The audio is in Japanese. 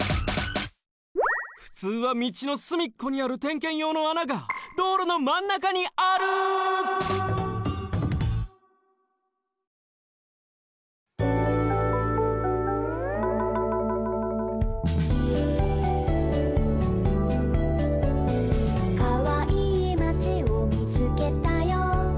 ふつうはみちのすみっこにある点検用のあながどうろのまんなかにある「かわいいまちをみつけたよ」